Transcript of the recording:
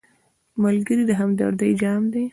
ملګری د همدردۍ جام دی